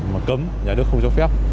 mà cấm nhà nước không cho phép